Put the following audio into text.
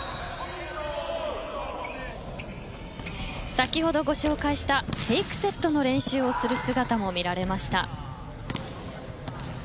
先ほどご紹介したフェイクセットの練習をする姿も見られました。